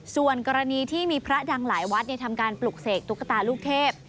ส่วนกรณีที่มีพระดังหลายวัดทำการปลุกเสกตุ๊กตาลูกเทพ